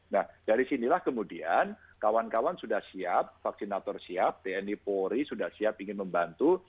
nah dari sinilah kemudian kawan kawan sudah siap vaksinator siap tni polri sudah siap ingin membantu